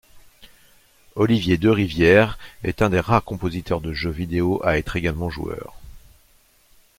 Olivier Derivière est un des rares compositeurs de jeux vidéo à être également joueur.